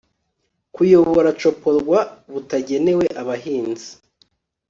kuyobora coporwa butagenewe abahinzi